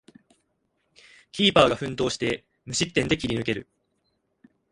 キーパーが奮闘して無失点で切り抜ける